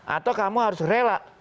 atau kamu harus rela